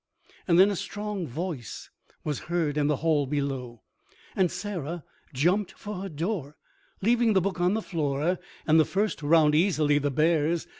And then a strong voice was heard in the hall below, and Sarah jumped for her door, leaving the book on the floor and the first round easily the bear's.